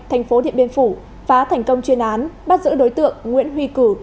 thành phố điện biên phủ phá thành công chuyên án bắt giữ đối tượng nguyễn huy cử